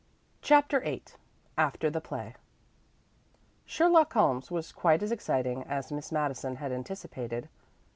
CHAPTER VIII AFTER THE PLAY "Sherlock Holmes" was quite as exciting as Miss Madison had anticipated.